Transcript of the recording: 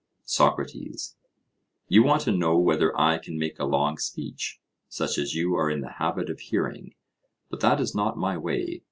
SOCRATES: You want to know whether I can make a long speech, such as you are in the habit of hearing; but that is not my way.